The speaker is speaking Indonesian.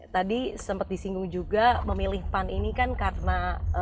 tadi sempat disinggung juga memilih pan ini kan karena